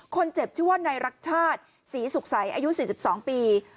คนเจ็บชื่อว่านายรักชาติศรีสุขใสอายุ๔๒ปี